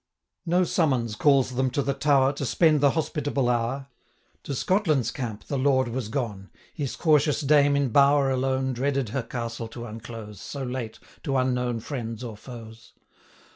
No summons calls them to the tower, To spend the hospitable hour. To Scotland's camp the Lord was gone; 25 His cautious dame, in bower alone, Dreaded her castle to unclose, So late, to unknown friends or foes.